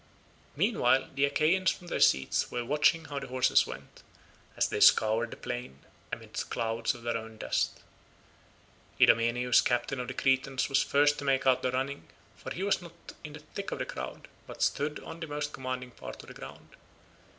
Meanwhile the Achaeans from their seats were watching how the horses went, as they scoured the plain amid clouds of their own dust. Idomeneus captain of the Cretans was first to make out the running, for he was not in the thick of the crowd, but stood on the most commanding part of the ground.